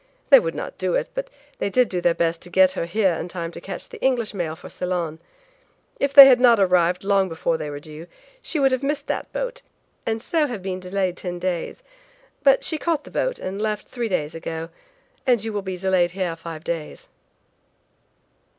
They would not do it, but they did do their best to get her here in time to catch the English mail for Ceylon. If they had not arrived long before they were due, she would have missed that boat, and so have been delayed ten days. But she caught the boat and left three days ago, and you will be delayed here five days."